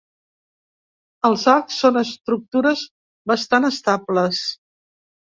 Els arcs són estructures bastant estables.